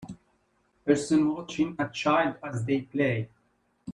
Person watching a child as they play.